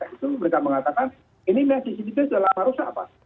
itu mereka mengatakan ini cctv sudah lama rusak pak